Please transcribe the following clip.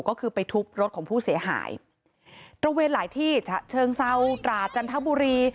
ก็คือไปทุบรถของผู้เสียหายตระเวนหลายที่ฉะเชิงเซาตราจันทบุรี